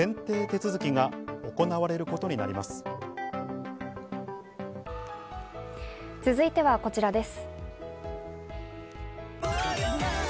続いては、こちらです。